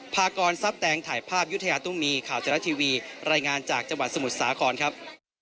พากรทรัพย์แตงถ่ายภาพยุธยาตุ้มีข่าวไทยรัฐทีวีรายงานจากจังหวัดสมุทรสาครครับ